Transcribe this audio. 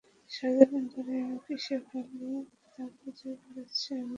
সারাজীবন ধরেই আমি কীসে ভালো, তা খুঁজে বেড়াচ্ছি আমি।